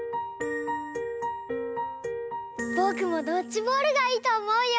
ぼくもドッジボールがいいとおもうよ！